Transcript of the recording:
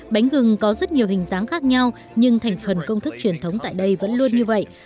bánh gừng có rất nhiều hình dáng khác nhau nhưng thành phần công thức truyền thống tại đây vẫn luôn như vậy